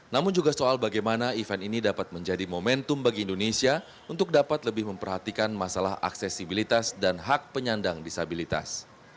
namun juga soal bagaimana event ini dapat menjadi momentum bagi indonesia untuk dapat lebih memperhatikan masalah aksesibilitas dan hak penyandang disabilitas